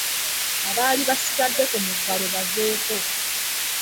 Abaali basigadde ku muggalo baveeko.